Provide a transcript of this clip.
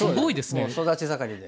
もう育ち盛りで。